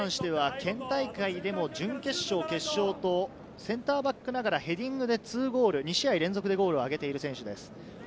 湯川に関しては、県大会でも準決勝、決勝とセンターバックながらヘディングで２ゴール、２試合連続でゴールを挙げている選手です。